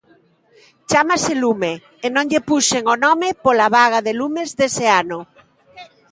Chámase Lume, e non lle puxen o nome pola vaga de lumes dese ano!